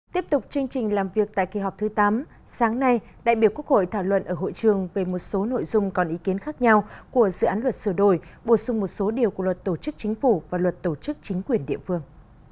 tiếp tục chương trình làm việc tại kỳ họp thứ tám sáng nay đại biểu quốc hội thảo luận ở hội trường về một số nội dung còn ý kiến khác nhau của dự án luật sửa đổi bổ sung một số điều của luật tổ chức chính phủ và luật tổ chức chính quyền địa phương